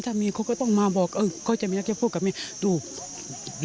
ถ้ามีเขาก็ต้องมาบอกเขาจะมีอะไรจะพูดกับแม่น้านตัวเลย